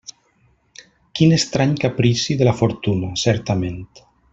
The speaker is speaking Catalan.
Quin estrany caprici de la fortuna, certament!